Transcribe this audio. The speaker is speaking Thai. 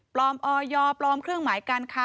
ปลอมออยอร์ปลอมเครื่องหมายการค้า